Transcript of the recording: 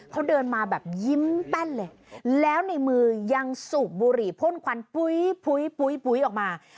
เขาเดินมาแบบยิ้มแป้นเลยแล้วในมือยังสูบบุหรี่พ่นควันปุ๊ยออกมา